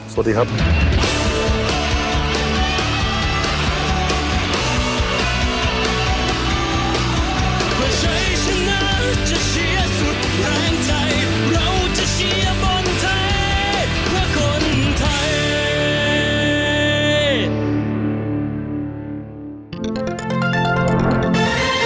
สวัสดีครับ